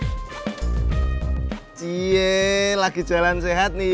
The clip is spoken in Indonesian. cie lagi jalan sehat nih